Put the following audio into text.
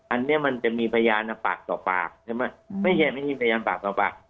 อันนี้มันจะมีพยานปากต่อปากใช่ไหมไม่ใช่ไม่มีพยานปากต่อปาก